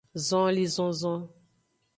Zonlinzonzon.